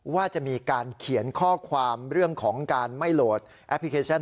ว่าจะมีการเขียนข้อความเรื่องของการไม่โหลดแอปพลิเคชัน